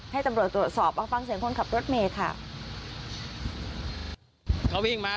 ให้ตำรวจตรวจสอบเอาฟังเสียงคนขับรถเมย์ค่ะ